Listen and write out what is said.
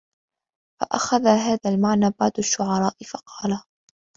فَأَخَذَ هَذَا الْمَعْنَى بَعْضُ الشُّعَرَاءِ فَقَالَ